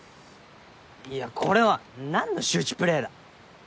いやこれは何の羞恥プレーだ。